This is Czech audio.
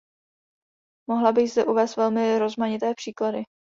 Mohla bych zde uvést velmi rozmanité příklady.